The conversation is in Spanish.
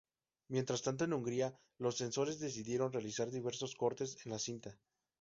Mientras tanto en Hungría, los censores decidieron realizar diversos cortes a la cinta.